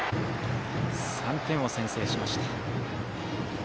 ３点を先制しました。